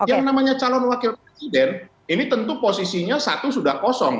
yang namanya calon wakil presiden ini tentu posisinya satu sudah kosong